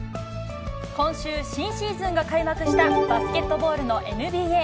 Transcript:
今週、新シーズンが開幕した、バスケットボールのＮＢＡ。